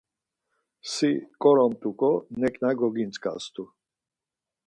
Si ǩoromt̆uǩo, neǩna gogintzǩast̆u.